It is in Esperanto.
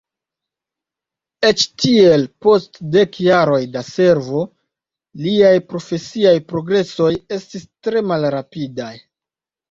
Eĉ tiel, post dek jaroj da servo, liaj profesiaj progresoj estis tre malrapidaj.